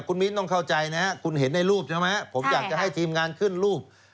คุณมิ้นต้องเข้าใจนะครับคุณเห็นในรูปใช่ไหมผมอยากจะให้ทีมงานขึ้นรูป